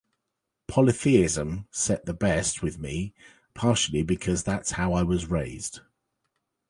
Polytheism set the best with me, partially because that's how I was raised